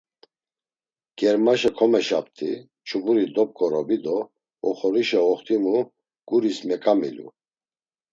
Germaşa komeşapti ç̌uburi dobǩorobi do oxorişa oxtimu guris meǩamilu.